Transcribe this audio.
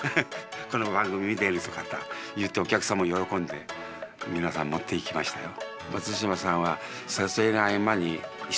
この番組見てるって方お客さんも喜んで皆さん持っていきましたよ。